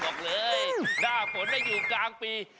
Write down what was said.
บอกเลยหน้าฝนอยู่กลางปี